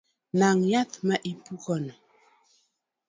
Nang’ yath ma ipukono